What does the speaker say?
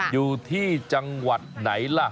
อยู่ที่จังหวัดไหนล่ะ